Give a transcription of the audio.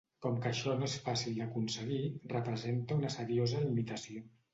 Com això no és fàcil d'aconseguir, representa una seriosa limitació.